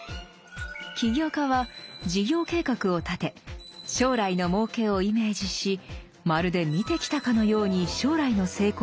起業家は事業計画を立て将来のもうけをイメージしまるで見てきたかのように将来の成功を語ります。